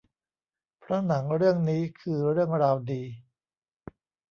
เพราะหนังเรื่องนี้คือเรื่องราวดี